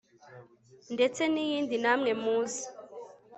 ndetse n'iyindi namwe muzi